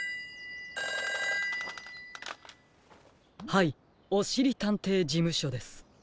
☎はいおしりたんていじむしょです。